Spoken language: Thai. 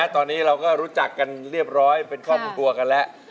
ตอนนี้เราก็รู้จักกันเรียบร้อยเป็นครอบครัวกันแล้ว